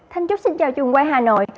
thanh trúc xin chào trường quay hà nội